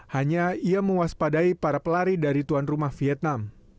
hanya ia mewaspadai para pelari dari tuan rumah vietnam